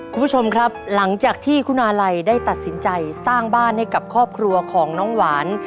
คุณผู้ชมครับหลังจากที่คุณอาลัยได้ตัดสินใจสร้างบ้านให้กับครอบครัวของน้องหวาน